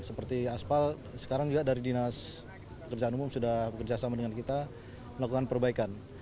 seperti aspal sekarang juga dari dinas pekerjaan umum sudah bekerjasama dengan kita melakukan perbaikan